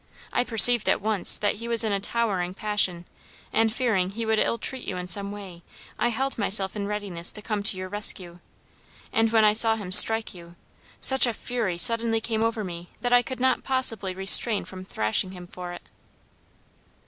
I perceived at once that he was in a towering passion, and fearing he would ill treat you in some way, I held myself in readiness to come to your rescue; and when I saw him strike you, such a fury suddenly came over me that I could not possibly refrain from thrashing him for it."